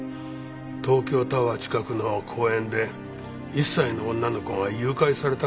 東京タワー近くの公園で１歳の女の子が誘拐された事があってな。